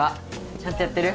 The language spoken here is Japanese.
ちゃんとやってる？